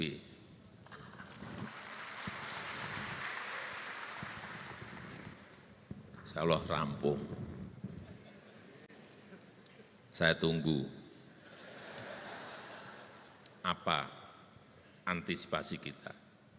insyaallah rampuh saya tunggu apa antisipasi kita